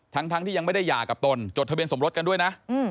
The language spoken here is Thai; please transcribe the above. ทั้งที่ยังไม่ได้หย่ากับตนจดทะเบียนสมรสกันด้วยนะ